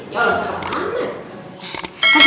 ya allah coba banget